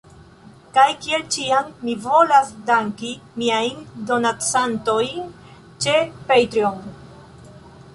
Kaj, kiel ĉiam, mi volas danki miajn donacantojn ĉe Patreon